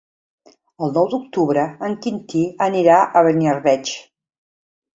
El nou d'octubre en Quintí anirà a Beniarbeig.